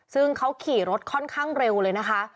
ซึ่งเขาขี่รถค่อนข้างเร็วเลยนะคะ